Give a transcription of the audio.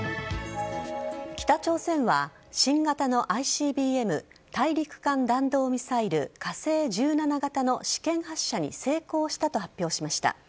北朝鮮は新型のＩＣＢＭ＝大陸間弾道ミサイル火星１７型の試験発射に成功したと発表しました。